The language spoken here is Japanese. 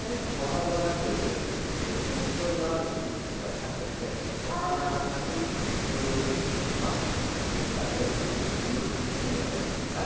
お花だけ植えて食草になる植物は避けてお花が咲く植物だけを中心に栽培された方がいいですね。